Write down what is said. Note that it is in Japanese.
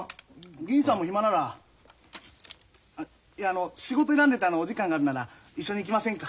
銀次さんも暇ならいやあの仕事選んでてお時間があるなら一緒に行きませんか？